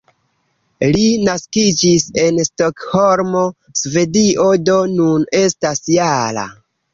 Li naskiĝis en Stokholmo, Svedio, do nun estas -jara.